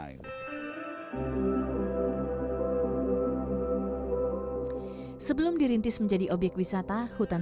sebelum dirintis menjadi obyek wisata hutan pinus ini juga menjadi sebuah tempat yang sangat nyaman